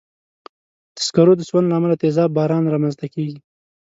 د سکرو د سون له امله تېزاب باران رامنځته کېږي.